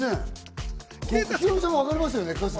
ヒロミさん、分かりますよね。